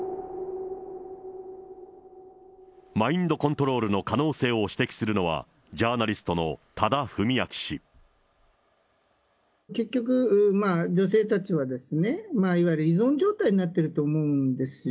マインドコントロールの可能性を指摘するのは、結局、女性たちはですね、いわゆる依存状態になってると思うんですよ。